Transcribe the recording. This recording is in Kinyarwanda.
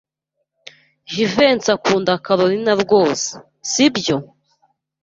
Jivency akunda Kalorina rwose, sibyo?